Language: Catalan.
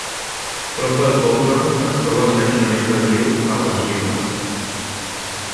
Prop del poble es troba el naixement del riu Aguasvivas.